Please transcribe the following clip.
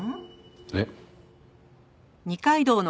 えっ？